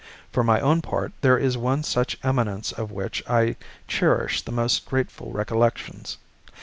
For my own part, there is one such eminence of which I cherish the most grateful recollections.